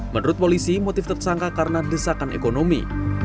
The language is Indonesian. menurut polisi motif tersangka karena desakan ekonomi